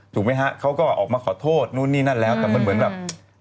ถูกไหมฮะเขาก็ออกมาขอโทษนู่นนี่นั่นแล้วแต่มันเหมือนแบบ